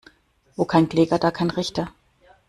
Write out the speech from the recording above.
Wo kein Kläger, da kein Richter.